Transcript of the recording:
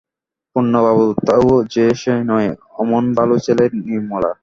পূর্ণবাবু তো যে-সে নয়, অমন ভালো ছেলে– নির্মলা।